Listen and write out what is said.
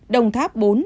đồng tháp bốn